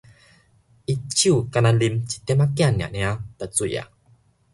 伊酒干焦啉一點仔囝爾爾就醉矣